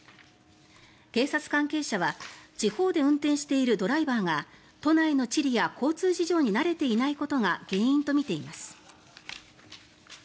警察関係者は地方で運転しているドライバーが都内の地理や交通事情に慣れていないことが原因とみています。